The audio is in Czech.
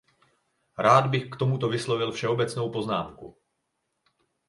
Rád bych k tomu vyslovil všeobecnou poznámku.